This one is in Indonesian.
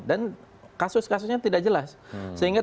dan kasus kasusnya tidak jelas